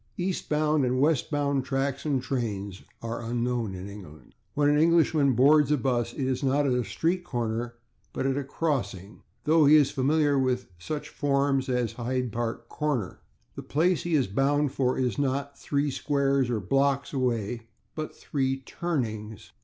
/Eastbound/ and /westbound/ tracks and trains are unknown in England. When an Englishman boards a bus it is not at a /street corner/, but at a /crossing/, though he is familiar with such forms as Hyde Park /Corner/. The place he is bound for is not three /squares/ or /blocks/ away, but three /turnings